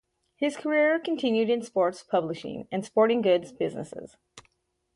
His career continued in sports publishing, and sporting goods businesses.